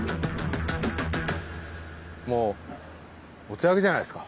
もうお手上げじゃないですか？